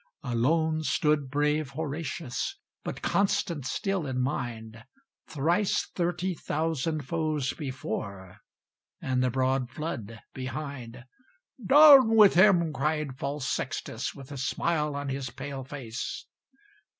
Alone stood brave Horatius, But constant still in mind; Thrice thirty thousand foes before, And the broad flood behind. "Down with him!" cried false Sextus, With a smile on his pale face.